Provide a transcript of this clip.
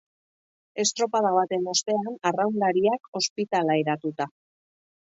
Estropada baten ostean arraunlariak ospitaleratuta.